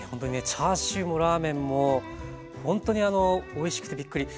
チャーシューもラーメンもほんとにおいしくてびっくり。